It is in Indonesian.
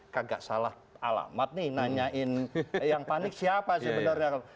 kagak salah alamat nih nanyain yang panik siapa sebenarnya